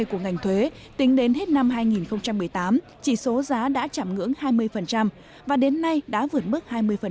cảnh thuế tính đến hết năm hai nghìn một mươi tám chỉ số giá đã chẳng ngưỡng hai mươi và đến nay đã vượt mức hai mươi